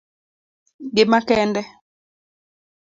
gima kende